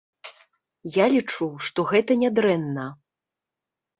Я лічу, што гэта нядрэнна.